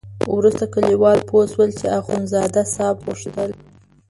وروسته کلیوال پوه شول چې اخندزاده صاحب غوښتل.